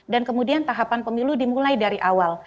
dan kemudian tahapan pemilu dimulai dari awal